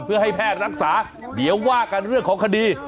เพื่อให้แพทย์รักษาเดี๋ยวว่ากันเรื่องของคดี